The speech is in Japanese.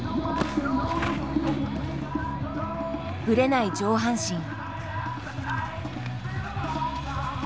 ぶれない上半身。